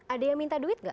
ada yang minta duit nggak